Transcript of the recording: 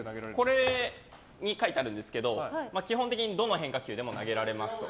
これに書いてあるんですけど基本的にどの変化球でも投げられますと。